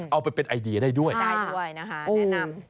เอาไปเป็นไอเดียได้ด้วยได้ด้วยนะคะแนะนำ